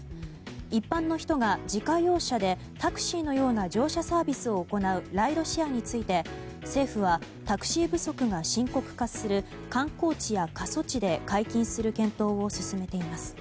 一般の人が自家用車でタクシーのような乗車サービスを行うライドシェアについて政府は、タクシー不足が深刻化する観光地や過疎地で解禁する検討を進めています。